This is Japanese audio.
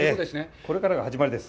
これからが始まりです。